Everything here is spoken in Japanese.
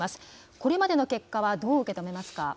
これまでの結果をどう受け止めますか。